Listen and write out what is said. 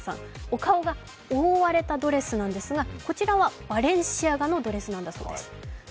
お顔が覆われたドレスなんですが、こちらはバレンシアガのドレスなんだそうです。